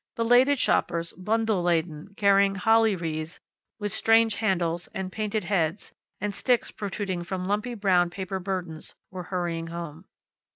Belated shoppers, bundle laden, carrying holly wreaths, with strange handles, and painted heads, and sticks protruding from lumpy brown paper burdens, were hurrying home.